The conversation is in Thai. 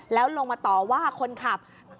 แล้วลงมาต่อว่าคนขับ